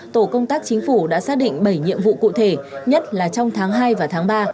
tổ công tác chính phủ đã xác định bảy nhiệm vụ cụ thể nhất là trong tháng hai và tháng ba